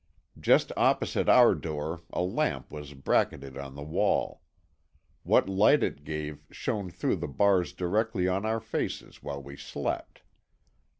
Just opposite our door a lamp was bracketed on the wall. What light it gave shone through the bars directly on our faces while we slept.